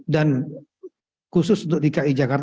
dan khusus untuk dki jakarta